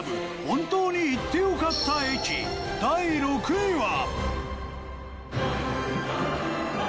本当に行ってよかった駅第６位は。